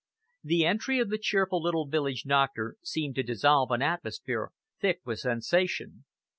The entry of the cheerful little village doctor seemed to dissolve an atmosphere thick with sensation.